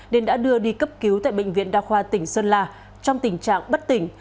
nên đã đưa đi cấp cứu tại bệnh viện đa khoa tỉnh sơn la trong tình trạng bất tỉnh